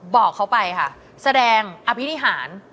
บอกเขาไปค่ะแสดงอภินิหาร